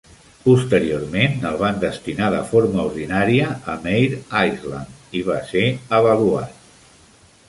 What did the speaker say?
Posteriorment, el van destinar de forma ordinària a Mare Island i va ser avaluat.